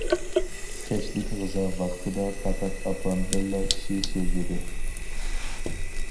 كەچلىك غىزا ۋاقتىدا، پەقەت ئاپام بىرلا كىشى سۆزلىدى.